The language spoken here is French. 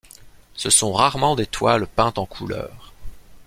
Ce sont rarement des toiles peintes en couleur.